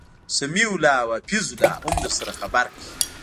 سمیع الله او حفیظ الله هم درسره خبرکی